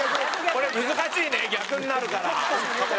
これ難しいね逆になるから。